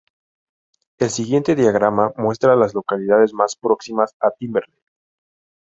El siguiente diagrama muestra a las localidades más próximas a Timberlake.